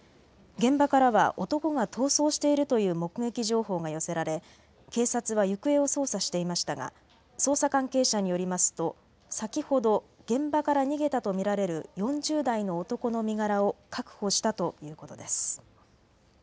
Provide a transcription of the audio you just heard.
現場からは男が逃走しているという目撃情報が寄せられ警察は行方を捜査していましたが捜査関係者によりますと先ほど現場から逃げたと見られる４０代の男の身柄を確保したということです。